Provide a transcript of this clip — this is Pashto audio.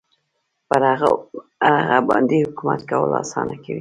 پر هغه باندې حکومت کول اسانه کوي.